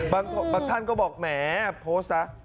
บางท่านก็บอกแหมโพสต์ซะ